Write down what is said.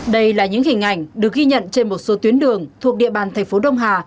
đây là những hình ảnh được ghi nhận trên một số tuyến đường thuộc địa bàn thành phố đông hà